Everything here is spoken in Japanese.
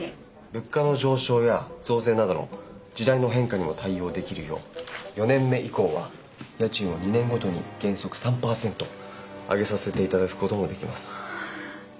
物価の上昇や増税などの時代の変化にも対応できるよう４年目以降は家賃を２年ごとに原則３％上げさせていただくこともできます。